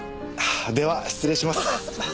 では失礼します。